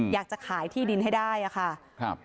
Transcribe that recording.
อยากจะขายที่ดินให้ได้อะค่ะครับ